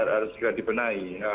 harus segera dibenahi